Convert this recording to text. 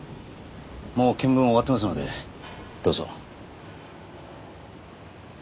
もう見分は終わってますのでどうぞ。